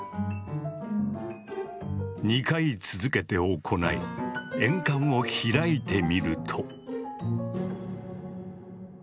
２回続けて行い鉛管を開いてみると。